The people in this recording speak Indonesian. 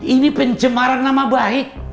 ini pencemaran nama baik